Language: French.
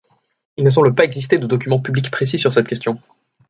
Il ne semble pas exister de documents publics précis sur cette question.